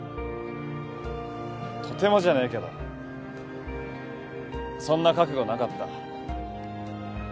とてもじゃねえけどそんな覚悟なかった。